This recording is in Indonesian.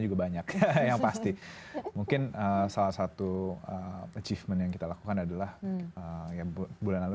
juga banyak yang pasti mungkin salah satu achievement yang kita lakukan adalah ya bulan lalu